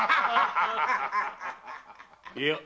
・いや。